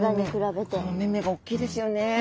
お目目が大きいですよね！